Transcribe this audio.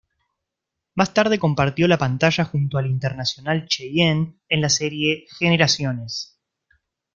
Más tarde compartió la pantalla junto al internacional Chayanne en la serie "Generaciones".